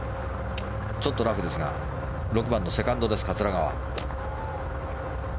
ちょっとラフですが６番のセカンド、桂川。